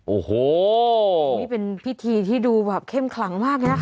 โอ้โหนี่เป็นพิธีที่ดูแบบเข้มขลังมากเลยนะคะ